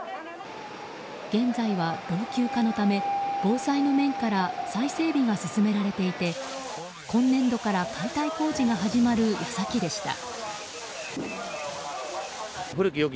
現在は老朽化のため防災の面から再整備が進められていて今年度から解体工事が始まる矢先でした。